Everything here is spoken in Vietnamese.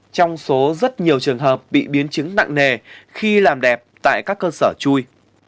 trong số rất nhiều trường hợp bị biến chứng nặng nề khi làm đẹp tại các cơ sở chui